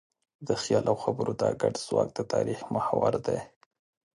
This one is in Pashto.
د خیال او خبرو دا ګډ ځواک د تاریخ محور دی.